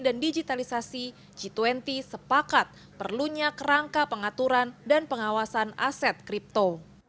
dan digitalisasi g dua puluh sepakat perlunya kerangka pengaturan dan pengawasan aset kripto